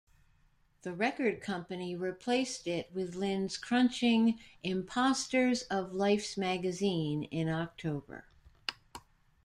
The record company replaced it with Lynne's crunching "Impostors of Life's Magazine" in October.